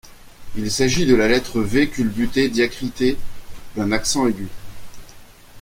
Il s’agit de la lettre V culbuté diacritée d’un accent aigu.